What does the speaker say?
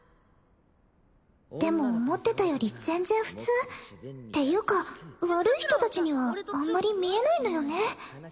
でも思ってたより全然普通っていうか悪い人達にはあんまり見えないのよね